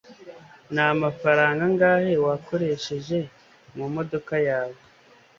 ni amafaranga angahe wakoresheje mu modoka yawe